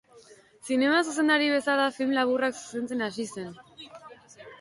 Zinema zuzendari bezala film laburrak zuzentzen hasi zen.